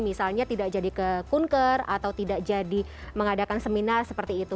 misalnya tidak jadi ke kunker atau tidak jadi mengadakan seminar seperti itu